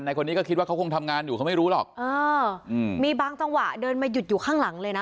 คนนี้ก็คิดว่าเขาคงทำงานอยู่เขาไม่รู้หรอกเอออืมมีบางจังหวะเดินมาหยุดอยู่ข้างหลังเลยนะ